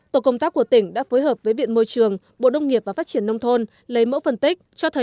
tổ công tác của tỉnh đã phối hợp với viện môi trường bộ đông nghiệp và phát triển nông thôn lấy mẫu phân tích cho thấy